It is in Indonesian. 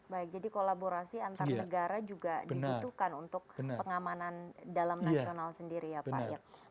baik jadi kolaborasi antar negara juga dibutuhkan untuk pengamanan dalam nasional sendiri ya pak